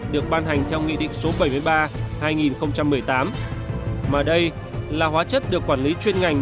được ban hành theo nghị định số bảy mươi ba hai nghìn một mươi tám mà đây là hóa chất được quản lý chuyên ngành